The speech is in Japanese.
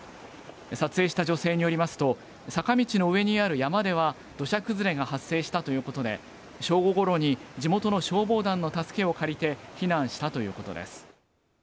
撮影した女性によりますと、坂道の上にある山では、土砂崩れが発生したということで、正午ごろに地元の消防団の助けを借りて、避難したということです。